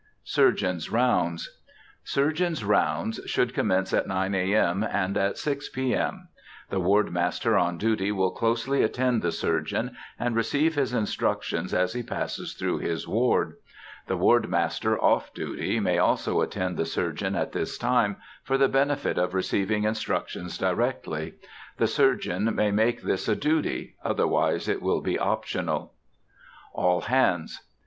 SURGEONS' ROUNDS. Surgeons' rounds should commence at 9 A. M., and at 6 P. M. The ward master on duty will closely attend the surgeon, and receive his instructions as he passes through his ward. The ward master off duty may also attend the surgeon at this time, for the benefit of receiving instructions directly. The surgeon may make this a duty, otherwise it will be optional. ALL HANDS.